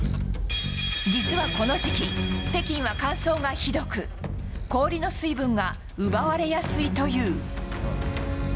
実はこの時期北京は乾燥がひどく氷の水分が奪われやすいという。